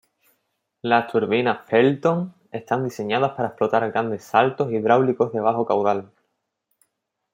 Las turbinas Pelton están diseñadas para explotar grandes saltos hidráulicos de bajo caudal.